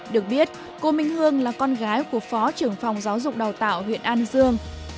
được biết cô minh hương là con gái của phó trưởng phòng giáo dục đào tạo huyện an dương